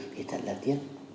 thì thật là tiếc